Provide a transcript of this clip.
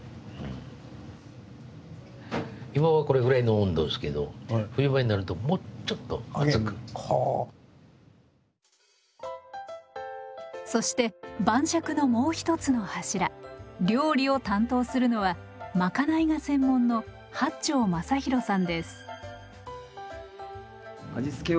今はこれぐらいの温度ですけどそして晩酌のもう一つの柱料理を担当するのは賄いが専門の八町昌洋さんです。